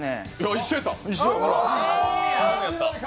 一緒やった。